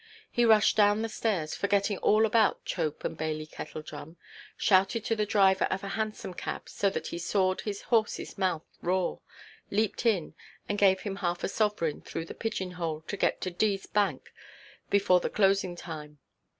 He rushed down the stairs, forgetting all about Chope and Bailey Kettledrum, shouted to the driver of a hansom cab so that he sawed his horseʼs mouth raw, leaped in, and gave him half a sovereign through the pigeon–hole, to get to D——ʼs bank before the closing time.